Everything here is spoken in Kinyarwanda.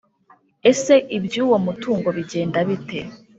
ese iby’uwo mutungo bigenda bite,